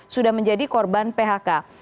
sudah menjadi korban phk